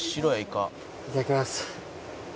いただきます。